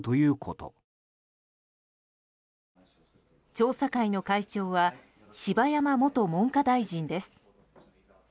調査会の会長は柴山元文科大臣です。